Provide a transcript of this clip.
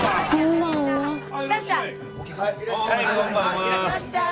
いらっしゃい。